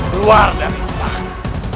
luar dari istana